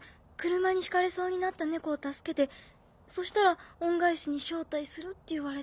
車にひかれそうになった猫を助けてそしたら恩返しに招待するって言われて。